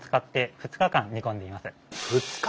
２日間！